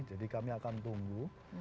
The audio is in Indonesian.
jadi kami akan tunggu